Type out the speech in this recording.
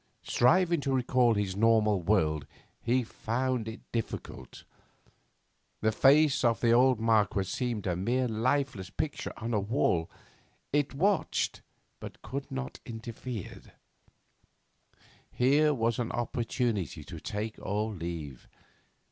Striving to recall his normal world, he found it difficult. The face of the old Marquess seemed a mere lifeless picture on a wall it watched but could not interfere. Here was an opportunity to take or leave.